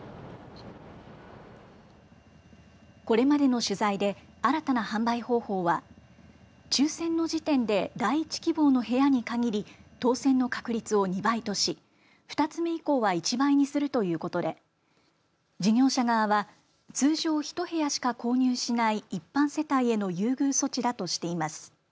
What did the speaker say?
これまでの取材で新たな販売方法は抽せんの時点で第１希望の部屋に限り当せんの確率を２倍とし２つ目以降は１倍にするということで事業者側は通常１部屋しか購入しない一般世帯への優遇措置だとしています。